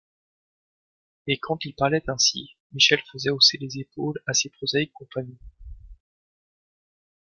Et quand il parlait ainsi, Michel faisait hausser les épaules à ses prosaïques compagnons.